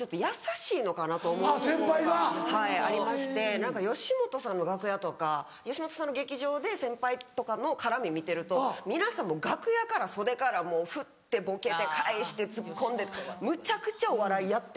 何か吉本さんの楽屋とか吉本さんの劇場で先輩とかの絡み見てると皆さん楽屋から袖からふってボケて返してツッコんでむちゃくちゃお笑いやってる。